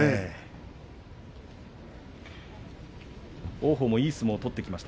王鵬もいい相撲を取っていました